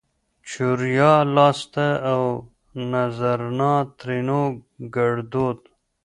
چوریا لاسته اونزنا؛ ترينو ګړدود